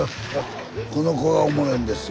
この子はおもろいんですよ。